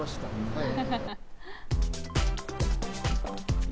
はい。